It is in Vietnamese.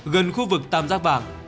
gần khu vực tam giác vàng